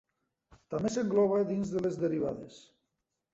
També s'engloba dins de les derivades.